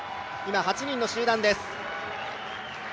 ８人の集団です。